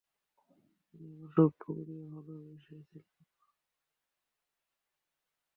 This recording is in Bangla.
আমি আমার সবটুকু দিয়ে ভালোবেসেছিলাম!